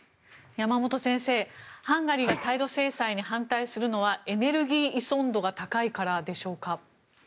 山本先生、ハンガリーが対ロ制裁に反対するのはエネルギー依存度が高いからでしょうか。